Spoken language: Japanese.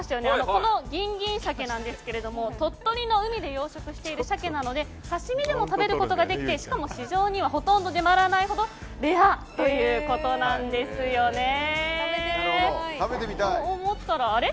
このギンギン鮭ですが鳥取の海で養殖しているサケなので刺し身でも食べることができてしかも市場にはほとんど出回らないほどレアということなんです。と思ったら、あれ？